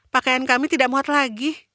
pakaian kami tidak muat lagi